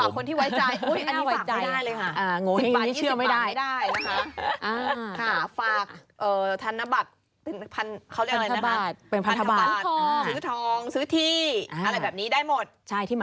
คนที่ไว้ใจอันนี้ฝากใจได้เลยค่ะ